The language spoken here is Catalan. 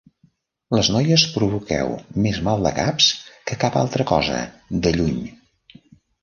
Les noies provoqueu més maldecaps que cap altra cosa, de lluny.